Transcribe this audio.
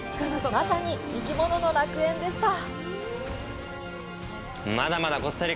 まさに生き物の楽園でした！